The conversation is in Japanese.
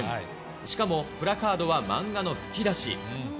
しかもプラカードは漫画の吹き出し。